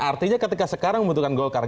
artinya ketika sekarang membutuhkan golkar